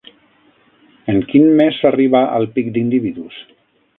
En quin mes s'arriba al pic d'individus?